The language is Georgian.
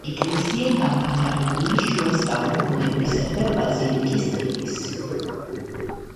ეკლესია განვითარებული შუა საუკუნეებისაა, ბაზილიკის ტიპის.